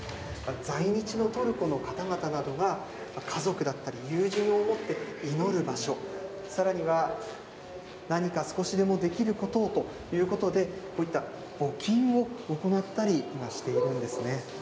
在日のトルコの方々などが、家族だったり、友人を思って祈る場所、さらには、何か少しでもできることをということで、こういった募金を行ったり、今、してるんですね。